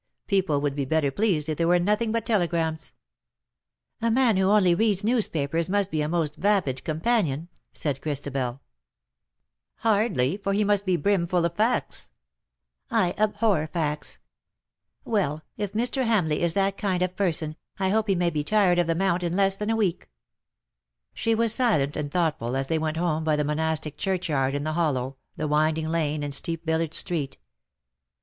People would be better pleased if there were nothing but telegrams.'^ " A man who only reads newspapers must be a most vapid companion, *^ said Christabel. 32 THE DAYS THAT ARE ^'0 MORE. ^^ Hardly, for he must be brim full of facts/'' " I abbor facts. Well, if Mr. Hamleigh is that kind of person, I hope he may be tired of the Mount in less than a week.^^ She was silent and thoughtful as they went home by the monastic churchyard in the hollow, the winding lane, and steep village street.